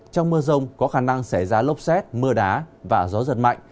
trong mưa rông có khả năng xảy ra lốc xét mưa đá và gió giật mạnh